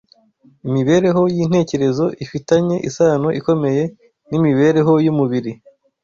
Imibereho y’intekerezo ifitanye isano ikomeye n’imibereho y’umubiri